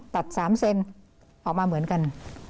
ตัด๓เซนออกมาเหมือนกัน